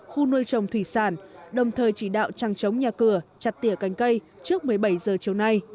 khu nuôi trồng thủy sản đồng thời chỉ đạo trăng chống nhà cửa chặt tỉa cành cây trước một mươi bảy giờ chiều nay